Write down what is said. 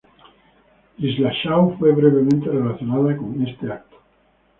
Dillashaw fue brevemente relacionada con este evento.